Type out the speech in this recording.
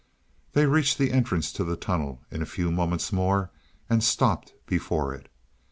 They reached the entrance to the tunnel in a few moments more, and stopped before it.